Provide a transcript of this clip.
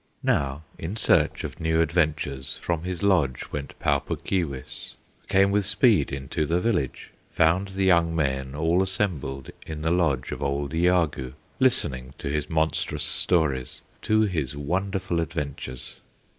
Now, in search of new adventures, From his lodge went Pau Puk Keewis, Came with speed into the village, Found the young men all assembled In the lodge of old Iagoo, Listening to his monstrous stories, To his wonderful adventures.